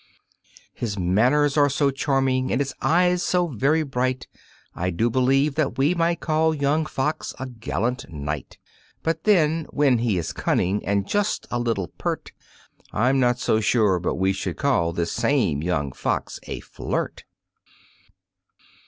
His manners are so charming and his eyes so very bright, I do believe that we might call young Fox a gallant knight; But then when he is cunning and just a little pert, I'm not so sure but we should call this same young fox a flirt.